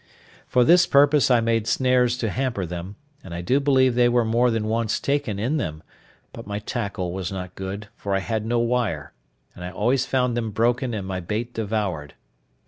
For this purpose I made snares to hamper them; and I do believe they were more than once taken in them; but my tackle was not good, for I had no wire, and I always found them broken and my bait devoured.